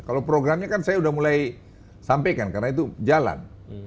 kalau programnya kan saya sudah mulai sampaikan karena itu jalan